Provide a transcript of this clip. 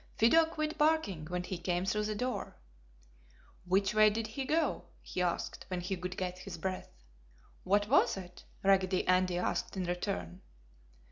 Fido quit barking when he came through the door. "Which way did he go?" he asked, when he could get his breath. "What was it?" Raggedy Andy asked in return.